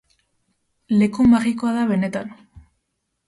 Leku magikoa da benetan.